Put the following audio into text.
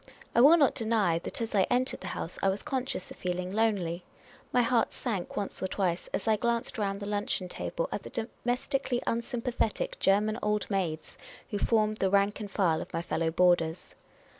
I will not deny that as I entered the house I was conscious of feeling lonely ; my heart sank once or twice as I glanced round the luncheon table at the domestically unsympathetic German old maids who formed the rank and file of my fellow boarders.